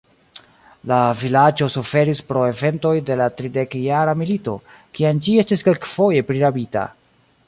La vilaĝo suferis pro eventoj de la tridekjara milito, kiam ĝi estis kelkfoje prirabita.